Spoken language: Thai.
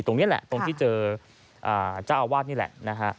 ตรงนี้แหละตรงที่เจอเจ้าอาวาสนี่แหละนะฮะ